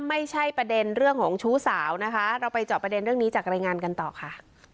ไม่ใช่ประเด็นเรื่องของชู้สาวนะคะเราไปเจาะประเด็นเรื่องนี้จากรายงานกันต่อค่ะ